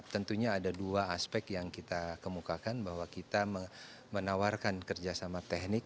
tentunya ada dua aspek yang kita kemukakan bahwa kita menawarkan kerjasama teknik